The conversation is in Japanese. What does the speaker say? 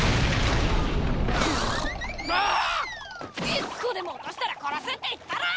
一個でも落としたら殺すって言ったろ！